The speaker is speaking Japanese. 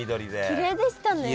きれいでしたね。